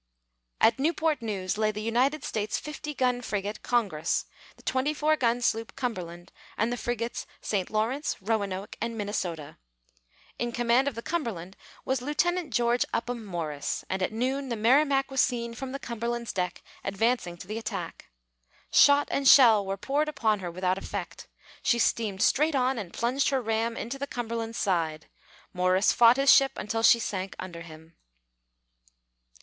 At Newport News lay the United States 50 gun frigate Congress, the 24 gun sloop Cumberland, and the frigates St. Lawrence, Roanoke, and Minnesota. In command of the Cumberland was Lieutenant George Upham Morris, and at noon the Merrimac was seen from the Cumberland's deck advancing to the attack. Shot and shell were poured upon her without effect. She steamed straight on and plunged her ram into the Cumberland's side. Morris fought his ship until she sank under him.